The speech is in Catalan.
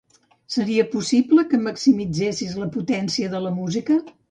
Seria possible que maximitzessis la potència de la música?